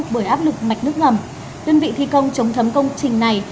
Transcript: bởi áp lực mạch nước ngầm đơn vị thi công chống thấm công trình này